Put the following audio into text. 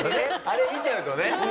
あれ見ちゃうとね。